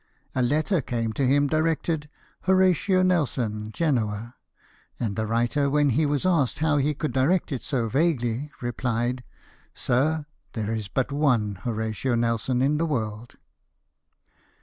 A letter came to him directed " Horatio Nelson, Genoa ;" and the writer, when he was asked how he could direct it so vaguely, replied, " Sir, there is but one Horatio Nelson in the world."